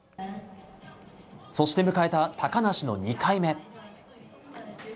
そして迎えた高梨の２回目。